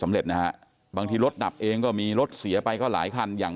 นะฮะบางทีรถดับเองก็มีรถเสียไปก็หลายคันอย่าง